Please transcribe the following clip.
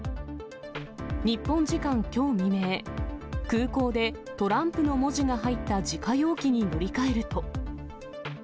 日本時間きょう未明、空港でトランプの文字が入った自家用機に乗り換えると。